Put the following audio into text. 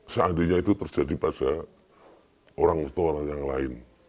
seandainya itu terjadi pada orang atau orang yang lain